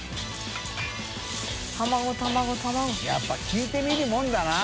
笋辰聞いてみるもんだな。